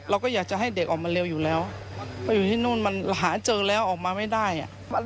เราก็อยากจะให้เด็กออกมาเร็วอยู่แล้วไปอยู่ที่นู่นมันหาเจอแล้วออกมาไม่ได้อ่ะ